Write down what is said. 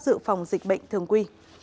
dự phòng dịch bệnh thường quy